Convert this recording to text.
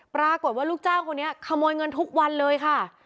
ปรากฏว่าลูกจ้างคนนี้ขโมยเงินทุกวันเลยค่ะ